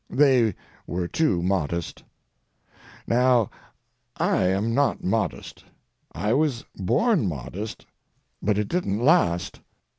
They were too modest. Now, I am not modest. I was born modest, but it didn't last.